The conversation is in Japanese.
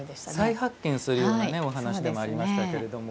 再発見するようなお話でもありましたけれども。